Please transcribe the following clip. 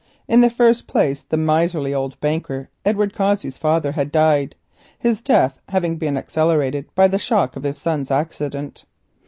In the first place the miserly old banker, Edward Cossey's father, had died, his death being accelerated by the shock of his son's accident.